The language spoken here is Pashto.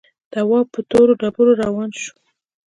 تواب پر تورو ډبرو روان شو.